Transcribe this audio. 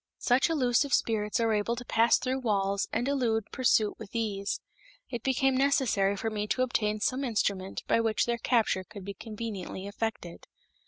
Such elusive spirits are able to pass through walls and elude pursuit with ease. It became necessary for me to obtain some instrument by which their capture could be conveniently effected.